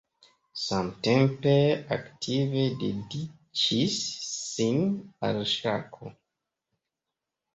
Samtempe aktive dediĉis sin al ŝako.